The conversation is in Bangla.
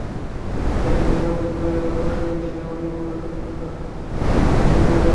একটি বিভাগ ফসকে গেলে অন্য বিভাগের পুরস্কার পাওয়ার আশা তাঁরা করতেই পারেন।